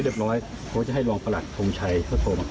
การทำให้มันตามกฎหมายจะพูดมาก